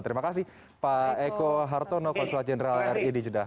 terima kasih pak eko hartono konsulat jenderal ri di jeddah